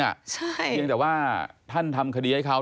เพียงแต่ว่าท่านทำคดีให้เขา